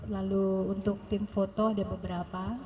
lalu untuk tim foto ada beberapa